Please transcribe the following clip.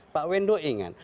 pak wendo ingat